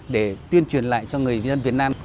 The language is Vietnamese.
để tuyên truyền lại cho người việt nam